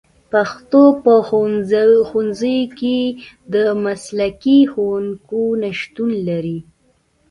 پښتو په ښوونځیو کې د مسلکي ښوونکو نشتون لري